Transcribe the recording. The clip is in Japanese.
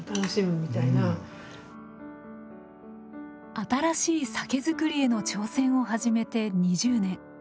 新しい酒造りへの挑戦を始めて２０年。